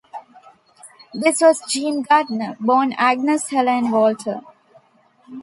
This was Jean Gardner, born Agnes Helene Walter.